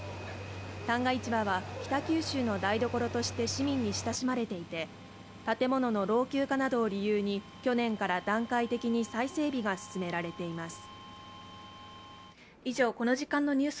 旦過市場は北九州の台所として市民に親しまれていて建物の老朽化などを理由に去年から段階的に再整備が進められています。